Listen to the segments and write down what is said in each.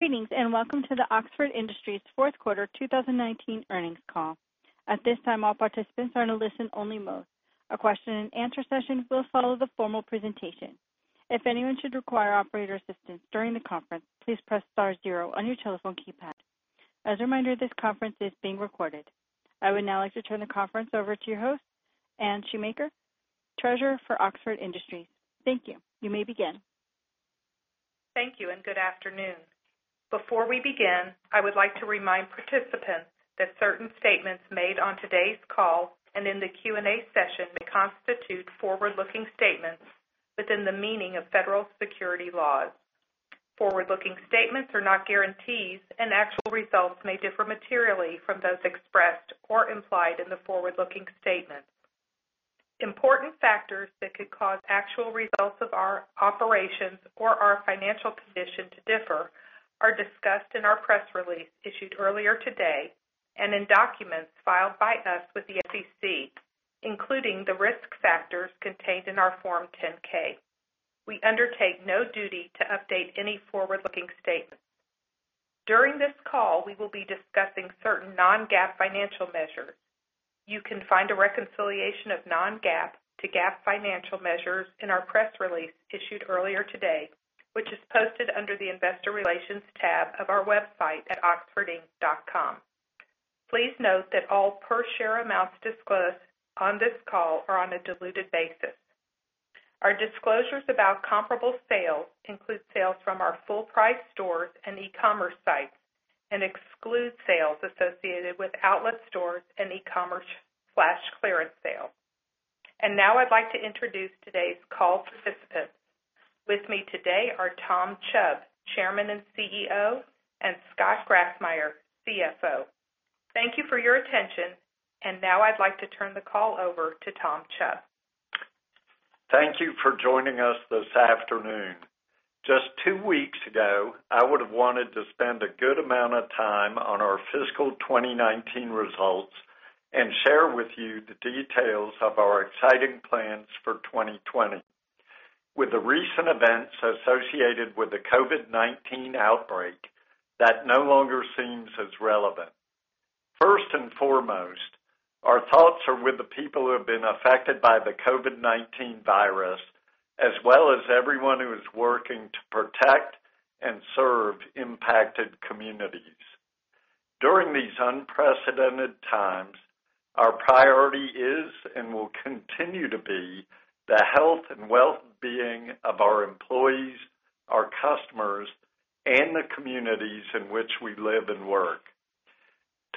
Greetings, and welcome to the Oxford Industries fourth quarter 2019 earnings call. At this time, all participants are in a listen-only mode. A question and answer session will follow the formal presentation. If anyone should require operator assistance during the conference, please press star 0 on your telephone keypad. As a reminder, this conference is being recorded. I would now like to turn the conference over to your host, Anne Shoemaker, Treasurer for Oxford Industries. Thank you. You may begin. Thank you, and good afternoon. Before we begin, I would like to remind participants that certain statements made on today's call and in the Q&A session may constitute forward-looking statements within the meaning of federal security laws. Forward-looking statements are not guarantees, and actual results may differ materially from those expressed or implied in the forward-looking statements. Important factors that could cause actual results of our operations or our financial position to differ are discussed in our press release issued earlier today, and in documents filed by us with the SEC, including the risk factors contained in our Form 10-K. We undertake no duty to update any forward-looking statement. During this call, we will be discussing certain non-GAAP financial measures. You can find a reconciliation of non-GAAP to GAAP financial measures in our press release issued earlier today, which is posted under the investor relations tab of our website at oxfordinc.com. Please note that all per share amounts disclosed on this call are on a diluted basis. Our disclosures about comparable sales include sales from our full-price stores and e-commerce sites and excludes sales associated with outlet stores and e-commerce/clearance sale. Now I'd like to introduce today's call participants. With me today are Tom Chubb, Chairman and CEO, and Scott Grassmyer, CFO. Thank you for your attention, and now I'd like to turn the call over to Tom Chubb. Thank you for joining us this afternoon. Just two weeks ago, I would've wanted to spend a good amount of time on our fiscal 2019 results and share with you the details of our exciting plans for 2020. With the recent events associated with the COVID-19 outbreak, that no longer seems as relevant. First and foremost, our thoughts are with the people who have been affected by the COVID-19 virus, as well as everyone who is working to protect and serve impacted communities. During these unprecedented times, our priority is and will continue to be the health and wellbeing of our employees, our customers, and the communities in which we live and work.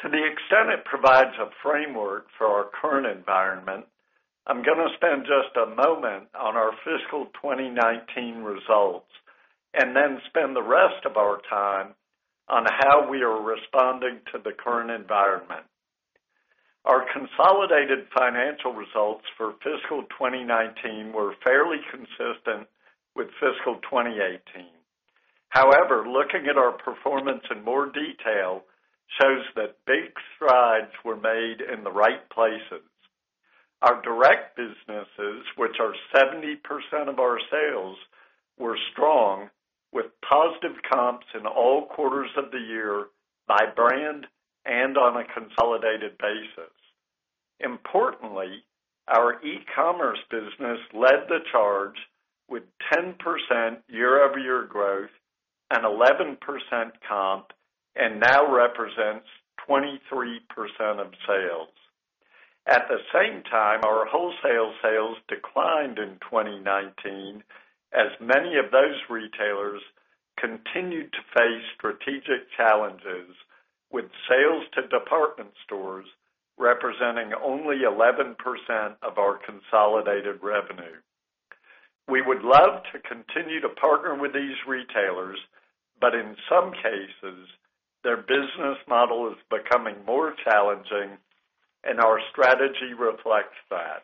To the extent it provides a framework for our current environment, I'm gonna spend just a moment on our fiscal 2019 results, and then spend the rest of our time on how we are responding to the current environment. Our consolidated financial results for fiscal 2019 were fairly consistent with fiscal 2018. However, looking at our performance in more detail shows that big strides were made in the right places. Our direct businesses, which are 70% of our sales, were strong with positive comps in all quarters of the year by brand and on a consolidated basis. Importantly, our e-commerce business led the charge with 10% year-over-year growth and 11% comp, and now represents 23% of sales. At the same time, our wholesale sales declined in 2019 as many of those retailers continued to face strategic challenges with sales to department stores representing only 11% of our consolidated revenue. We would love to continue to partner with these retailers, but in some cases, their business model is becoming more challenging and our strategy reflects that.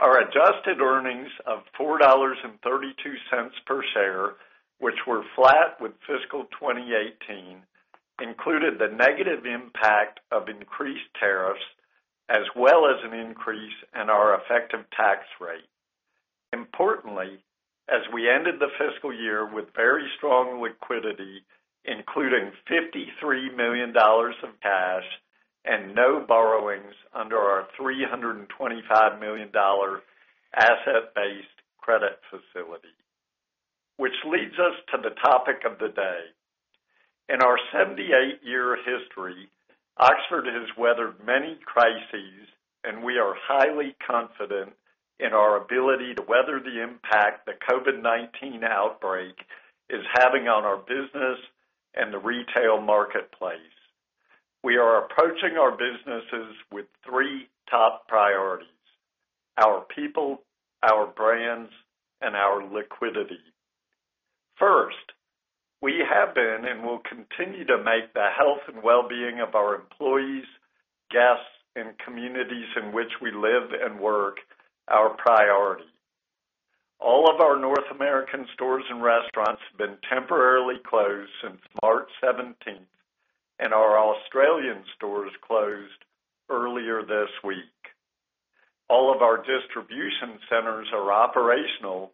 Our adjusted earnings of $4.32 per share, which were flat with fiscal 2018, included the negative impact of increased tariffs, as well as an increase in our effective tax rate. Importantly, as we ended the fiscal year with very strong liquidity, including $53 million of cash and no borrowings under our $325 million asset-based credit facility. Which leads us to the topic of the day. In our 78-year history, Oxford has weathered many crises, and we are highly confident in our ability to weather the impact the COVID-19 outbreak is having on our business and the retail marketplace. We are approaching our businesses with three top priorities: our people, our brands, and our liquidity. First, we have been and will continue to make the health and wellbeing of our employees, guests, and communities in which we live and work our priority. All of our North American stores and restaurants have been temporarily closed since March 17th, and our Australian stores closed earlier this week. All of our distribution centers are operational,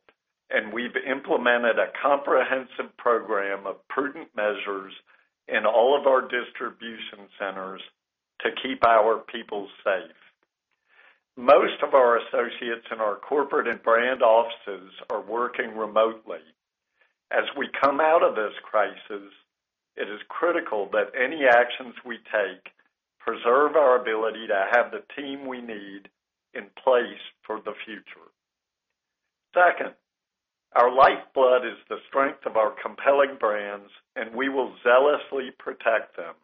and we've implemented a comprehensive program of prudent measures in all of our distribution centers to keep our people safe. Most of our associates in our corporate and brand offices are working remotely. As we come out of this crisis, it is critical that any actions we take preserve our ability to have the team we need in place for the future. Second, our lifeblood is the strength of our compelling brands, and we will zealously protect them.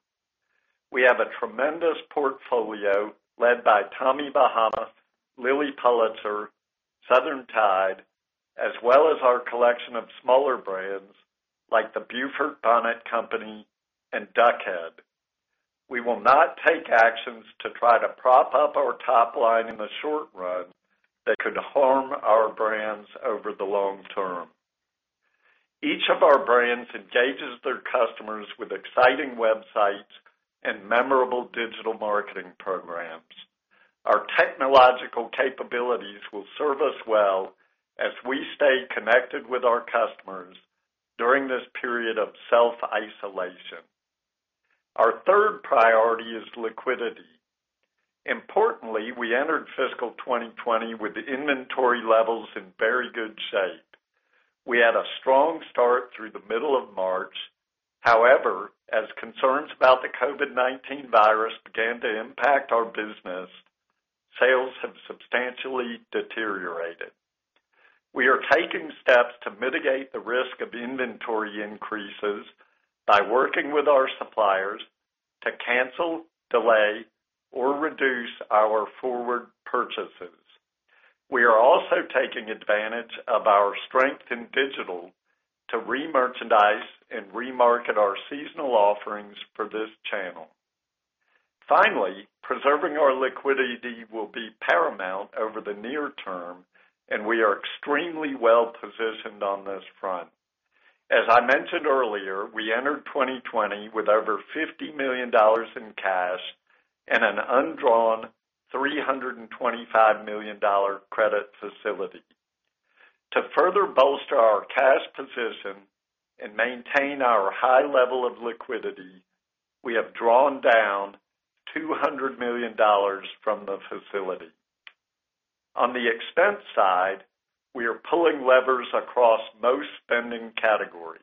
We have a tremendous portfolio led by Tommy Bahama, Lilly Pulitzer, Southern Tide, as well as our collection of smaller brands like The Beaufort Bonnet Company and Duck Head. We will not take actions to try to prop up our top line in the short run that could harm our brands over the long term. Each of our brands engages their customers with exciting websites and memorable digital marketing programs. Our technological capabilities will serve us well as we stay connected with our customers during this period of self-isolation. Our third priority is liquidity. Importantly, we entered fiscal 2020 with inventory levels in very good shape. We had a strong start through the middle of March. However, as concerns about the COVID-19 virus began to impact our business, sales have substantially deteriorated. We are taking steps to mitigate the risk of inventory increases by working with our suppliers to cancel, delay, or reduce our forward purchases. We are also taking advantage of our strength in digital to re-merchandise and re-market our seasonal offerings for this channel. Finally, preserving our liquidity will be paramount over the near term, and we are extremely well-positioned on this front. As I mentioned earlier, we entered 2020 with over $50 million in cash and an undrawn $325 million credit facility. To further bolster our cash position and maintain our high level of liquidity, we have drawn down $200 million from the facility. On the expense side, we are pulling levers across most spending categories.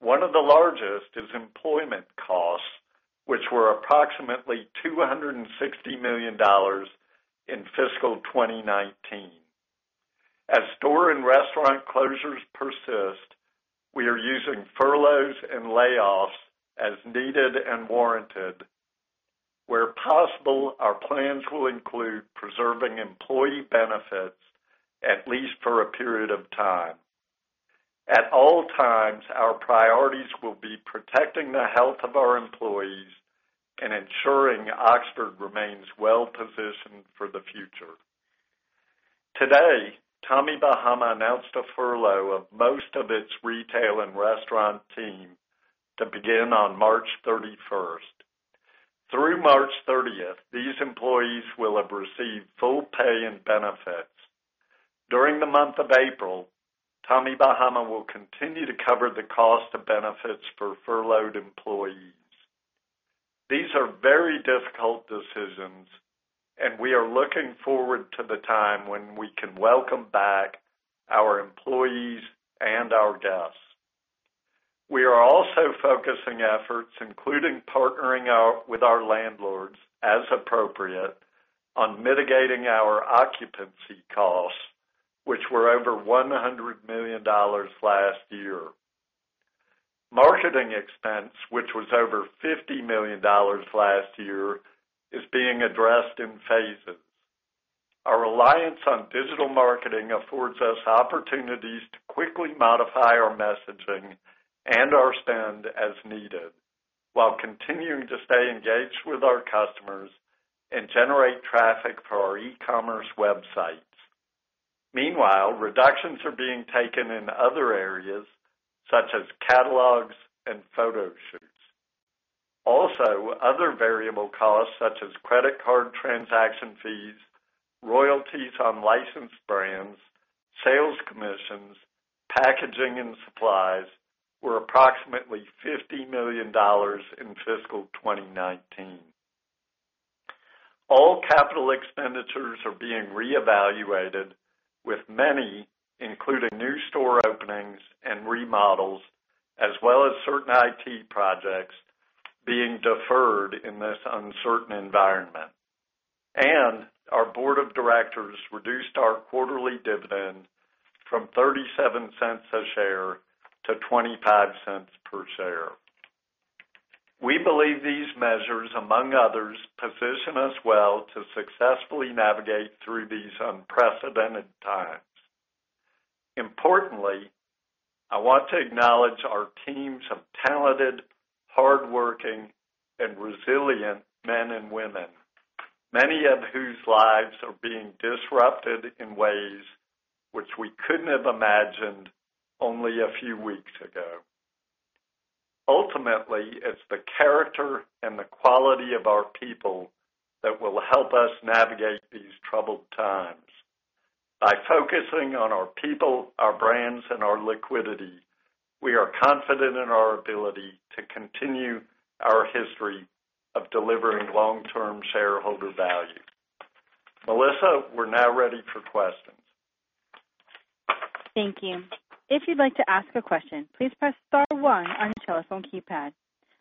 One of the largest is employment costs, which were approximately $260 million in fiscal 2019. As store and restaurant closures persist, we are using furloughs and layoffs as needed and warranted. Where possible, our plans will include preserving employee benefits, at least for a period of time. At all times, our priorities will be protecting the health of our employees and ensuring Oxford remains well-positioned for the future. Today, Tommy Bahama announced a furlough of most of its retail and restaurant team to begin on March 31st. Through March 30th, these employees will have received full pay and benefits. During the month of April, Tommy Bahama will continue to cover the cost of benefits for furloughed employees. These are very difficult decisions, and we are looking forward to the time when we can welcome back our employees and our guests. We are also focusing efforts, including partnering with our landlords, as appropriate, on mitigating our occupancy costs, which were over $100 million last year. Marketing expense, which was over $50 million last year, is being addressed in phases. Our reliance on digital marketing affords us opportunities to quickly modify our messaging and our spend as needed while continuing to stay engaged with our customers and generate traffic for our e-commerce websites. Meanwhile, reductions are being taken in other areas, such as catalogs and photo shoots. Other variable costs, such as credit card transaction fees, royalties on licensed brands, sales commissions, packaging, and supplies were approximately $50 million in fiscal 2019. All capital expenditures are being reevaluated, with many, including new store openings and remodels, as well as certain IT projects, being deferred in this uncertain environment. Our board of directors reduced our quarterly dividend from $0.37 a share to $0.25 per share. We believe these measures, among others, position us well to successfully navigate through these unprecedented times. Importantly, I want to acknowledge our teams of talented, hardworking, and resilient men and women, many of whose lives are being disrupted in ways which we couldn't have imagined only a few weeks ago. Ultimately, it's the character and the quality of our people that will help us navigate these troubled times. By focusing on our people, our brands, and our liquidity, we are confident in our ability to continue our history of delivering long-term shareholder value. Melissa, we're now ready for questions. Thank you. If you'd like to ask a question, please press star 1 on your telephone keypad.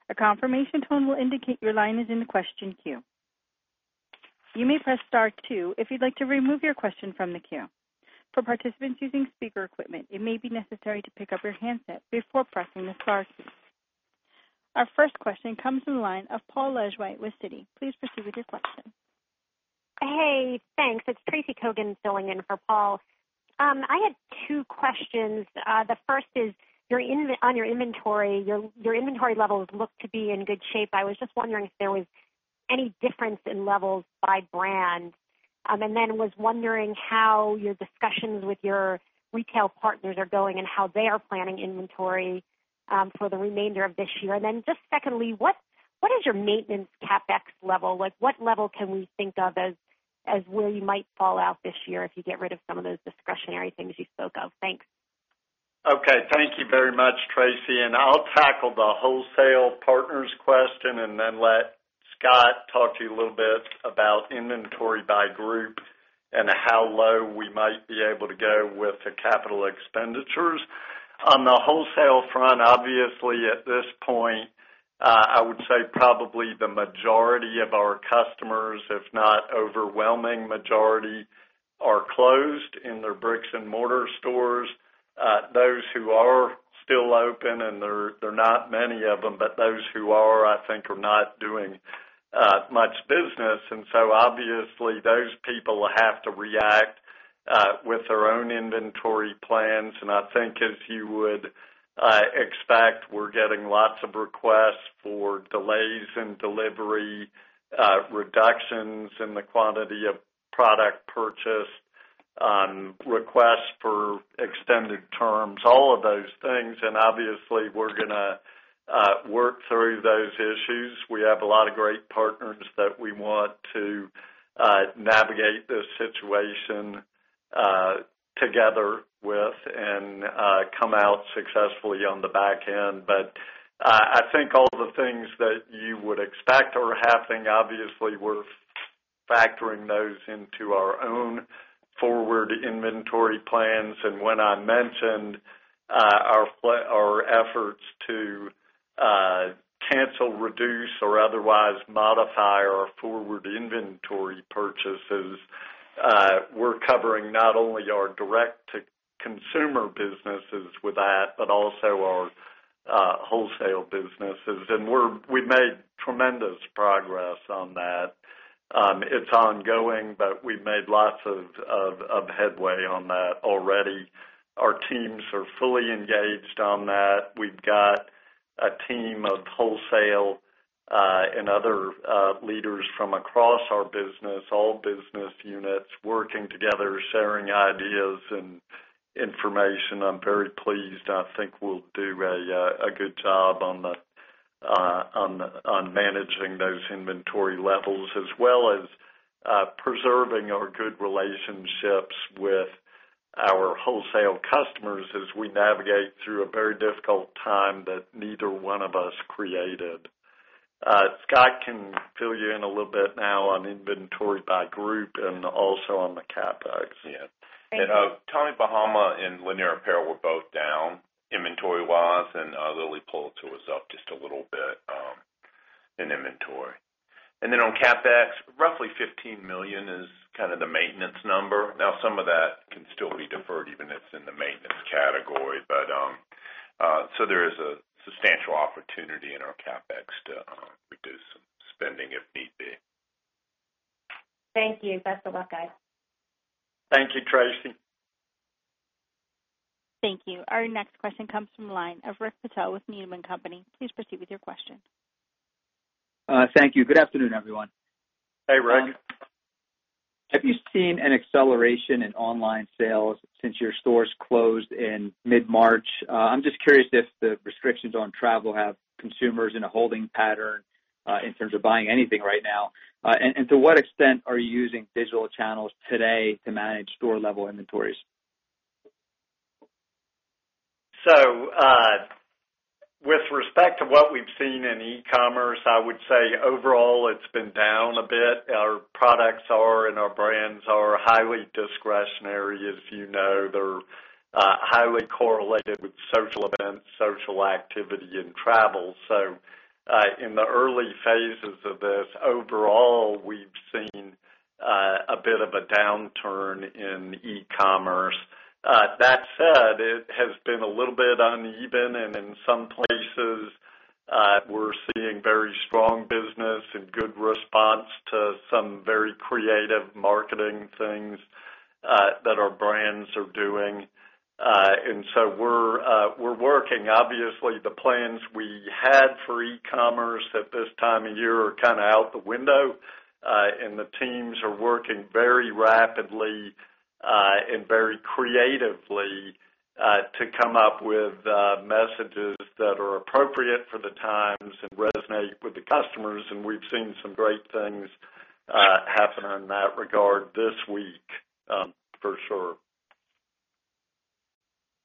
A confirmation tone will indicate your line is in the question queue. You may press star 2 if you'd like to remove your question from the queue. For participants using speaker equipment, it may be necessary to pick up your handset before pressing the star key. Our first question comes from the line of Paul Lejuez with Citi. Please proceed with your question. Hey, thanks. It's Tracy Kogan filling in for Paul. I had two questions. The first is, on your inventory, your inventory levels look to be in good shape. I was just wondering if there was any difference in levels by brand. Was wondering how your discussions with your retail partners are going, and how they are planning inventory for the remainder of this year. Just secondly, what is your maintenance CapEx level? What level can we think of as where you might fall out this year if you get rid of some of those discretionary things you spoke of? Thanks. Okay. Thank you very much, Tracy, I'll tackle the wholesale partners question and then let Scott talk to you a little bit about inventory by group and how low we might be able to go with the capital expenditures. On the wholesale front, obviously at this point, I would say probably the majority of our customers, if not overwhelming majority, are closed in their bricks and mortar stores. Those who are still open, and there are not many of them, but those who are, I think, are not doing much business. Obviously those people have to react with their own inventory plans. I think as you would expect, we're getting lots of requests for delays in delivery, reductions in the quantity of product purchased, requests for extended terms, all of those things. Obviously we're going to work through those issues. We have a lot of great partners that we want to navigate this situation together with and come out successfully on the back end. I think all the things that you would expect are happening. Obviously, we're factoring those into our own forward inventory plans. When I mentioned our efforts to cancel, reduce, or otherwise modify our forward inventory purchases, we're covering not only our direct-to-consumer businesses with that, but also our wholesale businesses. We've made tremendous progress on that. It's ongoing, but we've made lots of headway on that already. Our teams are fully engaged on that. We've got a team of wholesale and other leaders from across our business, all business units working together, sharing ideas and information. I'm very pleased. I think we'll do a good job on managing those inventory levels as well as preserving our good relationships with our wholesale customers as we navigate through a very difficult time that neither one of us created. Scott can fill you in a little bit now on inventory by group and also on the CapEx. Yeah. Tommy Bahama and Lanier Apparel were both down inventory-wise, and Lilly Pulitzer was up just a little bit in inventory. Then on CapEx, roughly $15 million is kind of the maintenance number. Now, some of that can still be deferred even if it's in the maintenance category. There is a substantial opportunity in our CapEx to reduce some spending if need be. Thank you. Best of luck, guys. Thank you, Tracy. Thank you. Our next question comes from the line of Rick Patel with Needham & Company. Please proceed with your question. Thank you. Good afternoon, everyone. Hey, Rick. Have you seen an acceleration in online sales since your stores closed in mid-March? I'm just curious if the restrictions on travel have consumers in a holding pattern in terms of buying anything right now. To what extent are you using digital channels today to manage store-level inventories? With respect to what we've seen in e-commerce, I would say overall it's been down a bit. Our products are and our brands are highly discretionary. As you know, they're highly correlated with social events, social activity, and travel. In the early phases of this, overall, we've seen a bit of a downturn in e-commerce. That said, it has been a little bit uneven, and in some places we're seeing very strong business and good response to some very creative marketing things that our brands are doing. We're working. Obviously, the plans we had for e-commerce at this time of year are kind of out the window. The teams are working very rapidly and very creatively to come up with messages that are appropriate for the times and resonate with the customers. We've seen some great things happen in that regard this week for sure.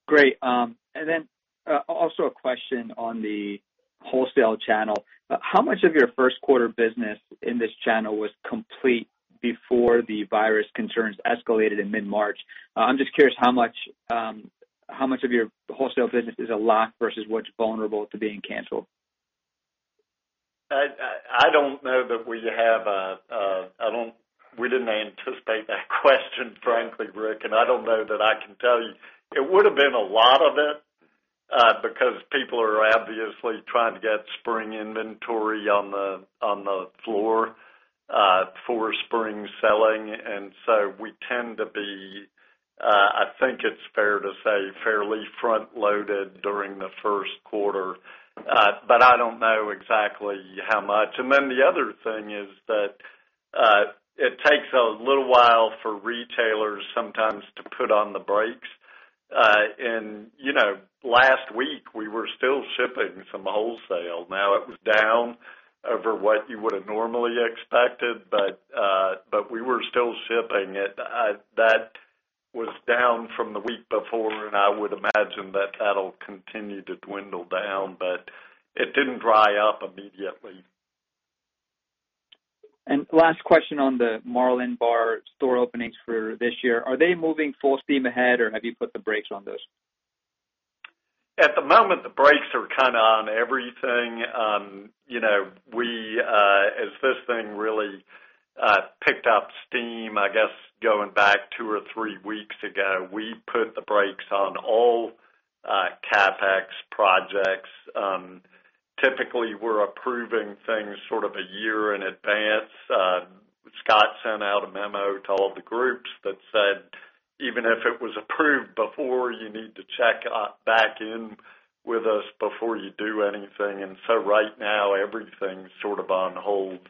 Great. Also a question on the wholesale channel. How much of your first quarter business in this channel was complete before the virus concerns escalated in mid-March? I'm just curious how much of your wholesale business is a lock versus what's vulnerable to being canceled. I don't know that we didn't anticipate that question, frankly, Rick, and I don't know that I can tell you. It would've been a lot of it, because people are obviously trying to get spring inventory on the floor for spring selling. We tend to be, I think it's fair to say, fairly front-loaded during the first quarter. I don't know exactly how much. The other thing is that, it takes a little while for retailers sometimes to put on the brakes. Last week, we were still shipping some wholesale. Now it was down over what you would've normally expected, but we were still shipping it. That was down from the week before, and I would imagine that that'll continue to dwindle down. It didn't dry up immediately. Last question on the Marlin Bar store openings for this year. Are they moving full steam ahead or have you put the brakes on those? At the moment, the brakes are kind of on everything. As this thing really picked up steam, I guess, going back two or three weeks ago, we put the brakes on all CapEx projects. Typically, we're approving things sort of a year in advance. Scott sent out a memo to all the groups that said, "Even if it was approved before, you need to check back in with us before you do anything." Right now everything's sort of on hold.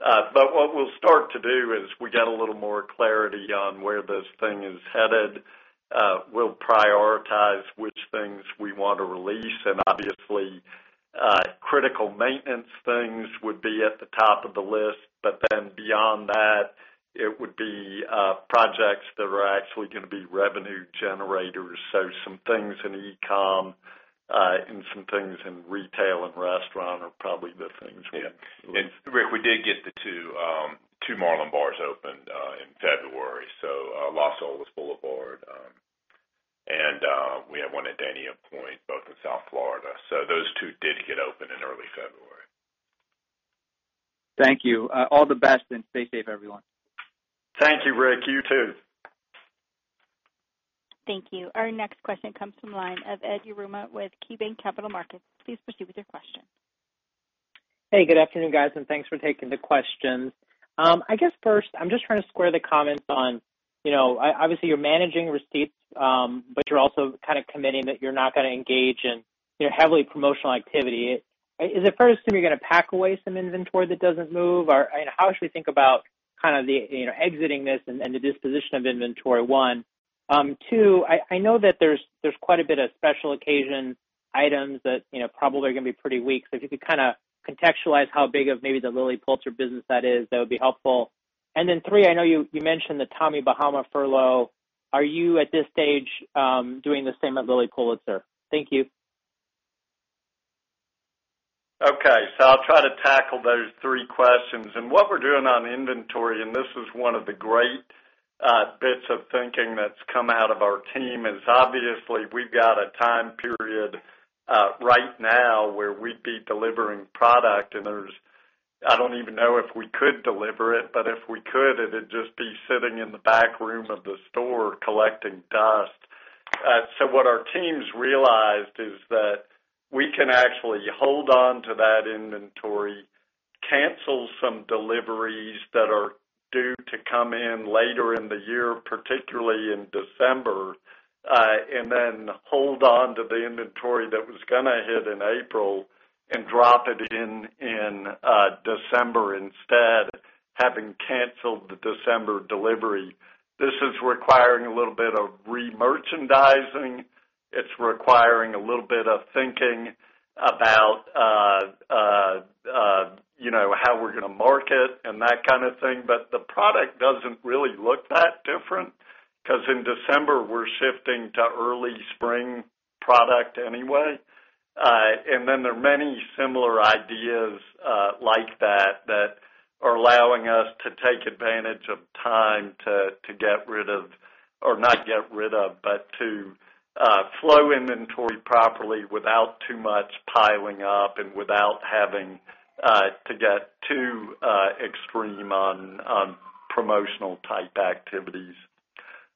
What we'll start to do is we get a little more clarity on where this thing is headed. We'll prioritize which things we want to release and obviously, critical maintenance things would be at the top of the list. Beyond that, it would be projects that are actually going to be revenue generators. Some things in e-com, and some things in retail and restaurant are probably the things. Yeah. Rick, we did get the two Marlin Bar opened in February, Las Olas Boulevard, and we have one at Dania Pointe, both in South Florida. Those two did get open in early February. Thank you. All the best and stay safe, everyone. Thank you, Rick. You too. Thank you. Our next question comes from the line of Edward Yruma with KeyBanc Capital Markets. Please proceed with your question. Hey, good afternoon, guys, and thanks for taking the questions. I guess first I'm just trying to square the comments on obviously you're managing receipts, but you're also kind of committing that you're not going to engage in heavily promotional activity. Is it fair to assume you're going to pack away some inventory that doesn't move? How should we think about exiting this and the disposition of inventory, one? two, I know that there's quite a bit of special occasion items that probably are going to be pretty weak. If you could kind of contextualize how big of maybe the Lilly Pulitzer business that is, that would be helpful. three, I know you mentioned the Tommy Bahama furlough. Are you at this stage doing the same at Lilly Pulitzer? Thank you. Okay. I'll try to tackle those three questions. What we're doing on inventory, and this is one of the great bits of thinking that's come out of our team, is obviously we've got a time period right now where we'd be delivering product and I don't even know if we could deliver it. If we could, it'd just be sitting in the back room of the store collecting dust. What our teams realized is that we can actually hold onto that inventory, cancel some deliveries that are due to come in later in the year, particularly in December, and then hold onto the inventory that was going to hit in April and drop it in December instead, having canceled the December delivery. This is requiring a little bit of re-merchandising. It's requiring a little bit of thinking about how we're going to market and that kind of thing. The product doesn't really look that different, because in December we're shifting to early spring product anyway. There are many similar ideas like that are allowing us to take advantage of time to get rid of, or not get rid of, but to flow inventory properly without too much piling up and without having to get too extreme on promotional type activities.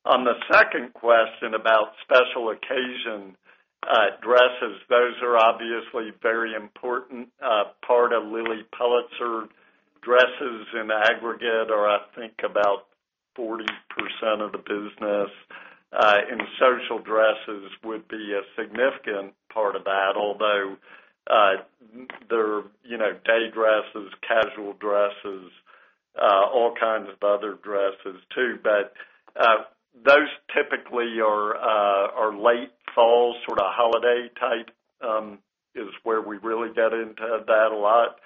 On the second question about special occasion dresses, those are obviously a very important part of Lilly Pulitzer. Dresses in aggregate are, I think, about 40% of the business. And social dresses would be a significant part of that. There are day dresses, casual dresses, all kinds of other dresses too. Those typically are late fall, sort of holiday type, is where we really get into that a lot.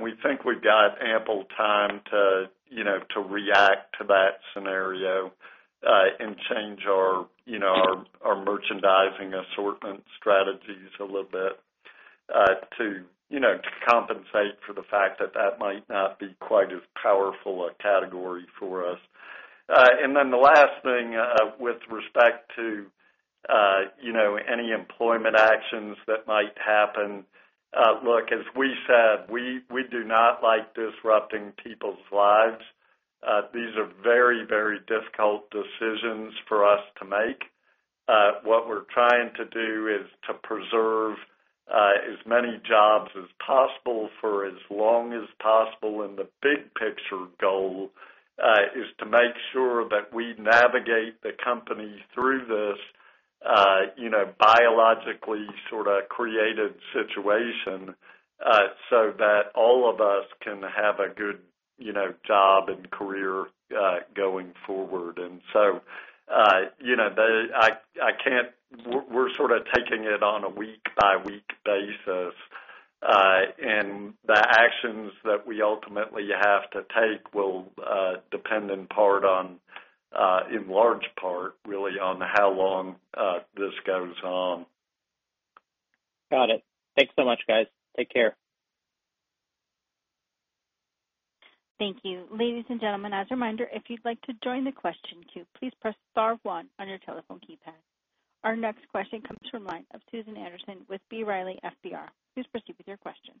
We think we've got ample time to react to that scenario, and change our merchandising assortment strategies a little bit, to compensate for the fact that that might not be quite as powerful a category for us. The last thing, with respect to any employment actions that might happen. Look, as we said, we do not like disrupting people's lives. These are very difficult decisions for us to make. What we're trying to do is to preserve as many jobs as possible for as long as possible. The big picture goal is to make sure that we navigate the company through this biologically sort of created situation, so that all of us can have a good job and career going forward. We're sort of taking it on a week-by-week basis. The actions that we ultimately have to take will depend in large part, really, on how long this goes on. Got it. Thanks so much, guys. Take care. Thank you. Ladies and gentlemen, as a reminder, if you'd like to join the question queue, please press star one on your telephone keypad. Our next question comes from the line of Susan Anderson with B. Riley FBR. Please proceed with your question.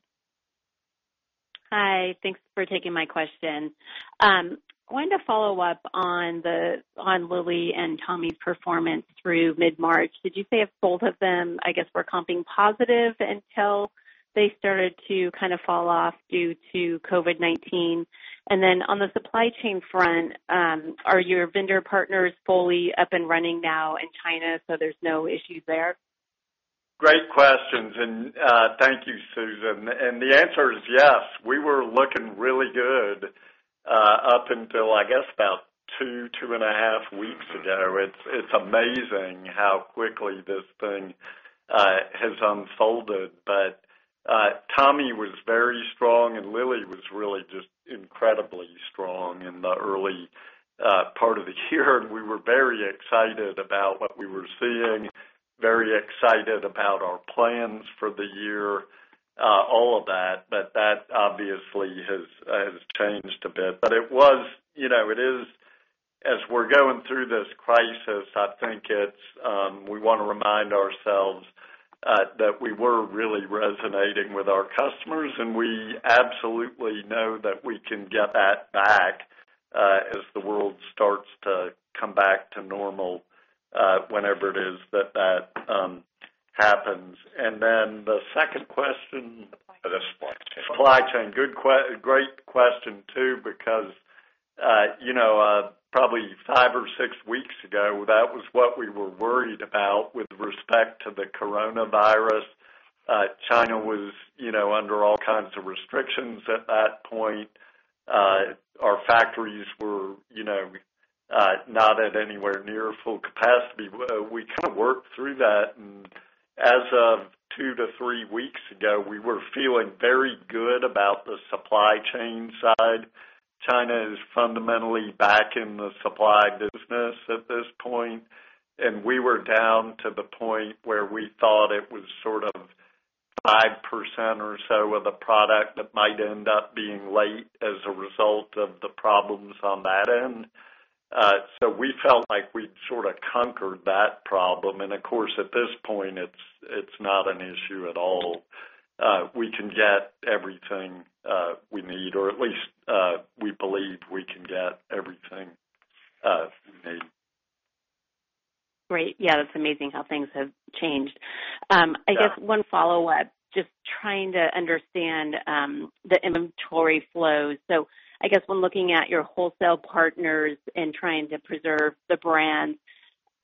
Hi. Thanks for taking my question. Going to follow up on Lilly and Tommy's performance through mid-March. Did you say if both of them, I guess, were comping positive until they started to kind of fall off due to COVID-19? On the supply chain front, are your vendor partners fully up and running now in China, so there's no issues there? Great questions. Thank you, Susan. The answer is yes. We were looking really good up until, I guess, about two and a half weeks ago. It's amazing how quickly this thing has unfolded. Tommy was very strong, and Lilly was really just incredibly strong in the early part of the year. We were very excited about what we were seeing, very excited about our plans for the year, all of that. That obviously has changed a bit. As we're going through this crisis, I think we want to remind ourselves that we were really resonating with our customers. We absolutely know that we can get that back as the world starts to come back to normal, whenever it is that that happens. Then the second question- Supply chain. Supply chain. Great question, too, because probably five or six weeks ago, that was what we were worried about with respect to the coronavirus. China was under all kinds of restrictions at that point. Our factories were not at anywhere near full capacity. As of two to three weeks ago, we were feeling very good about the supply chain side. China is fundamentally back in the supply business at this point. We were down to the point where we thought it was sort of 5% or so of the product that might end up being late as a result of the problems on that end. We felt like we'd sort of conquered that problem. Of course, at this point, it's not an issue at all. We can get everything we need, or at least, we believe we can get everything we need. Great. Yeah, that's amazing how things have changed. Yeah. I guess one follow-up, just trying to understand the inventory flows. I guess when looking at your wholesale partners and trying to preserve the brand,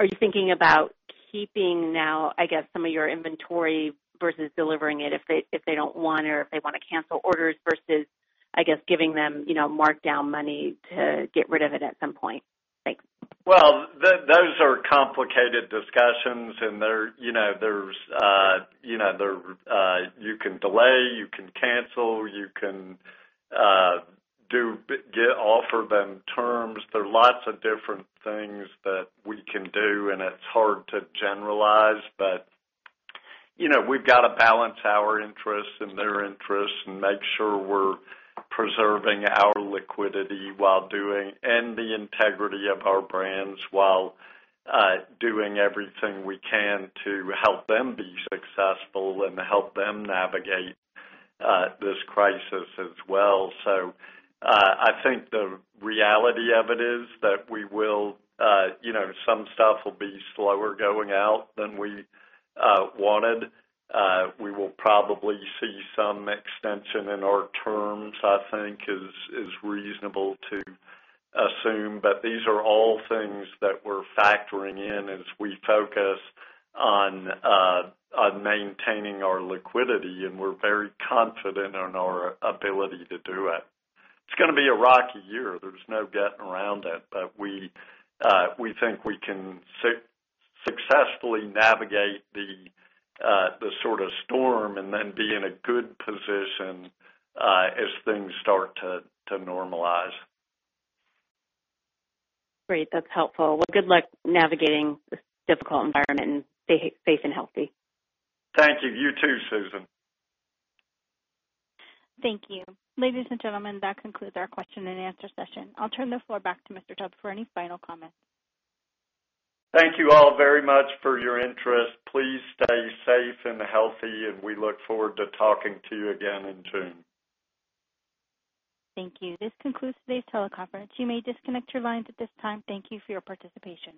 are you thinking about keeping now, I guess, some of your inventory versus delivering it if they don't want or if they want to cancel orders versus, I guess, giving them marked down money to get rid of it at some point? Thanks. Well, those are complicated discussions, and you can delay, you can cancel, you can offer them terms. There are lots of different things that we can do, and it's hard to generalize. We've got to balance our interests and their interests and make sure we're preserving our liquidity and the integrity of our brands while doing everything we can to help them be successful and help them navigate this crisis as well. I think the reality of it is that some stuff will be slower going out than we wanted. We will probably see some extension in our terms, I think is reasonable to assume. These are all things that we're factoring in as we focus on maintaining our liquidity, and we're very confident in our ability to do it. It's going to be a rocky year. There's no getting around it. We think we can successfully navigate the sort of storm and then be in a good position as things start to normalize. Great. That's helpful. Well, good luck navigating this difficult environment, and stay safe and healthy. Thank you. You too, Susan. Thank you. Ladies and gentlemen, that concludes our question and answer session. I'll turn the floor back to Tom Chubb for any final comments. Thank you all very much for your interest. Please stay safe and healthy, and we look forward to talking to you again in June. Thank you. This concludes today's teleconference. You may disconnect your lines at this time. Thank you for your participation.